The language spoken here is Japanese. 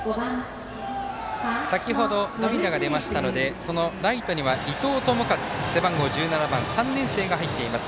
先ほど代打が出ましたのでそのライトには、伊藤智一背番号１７番３年生が入っています。